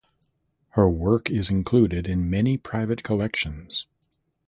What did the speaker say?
Her work is included in many private collections.